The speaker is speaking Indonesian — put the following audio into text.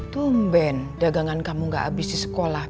tumben dagangan kamu gak habis di sekolah